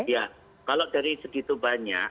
ya kalau dari segitu banyak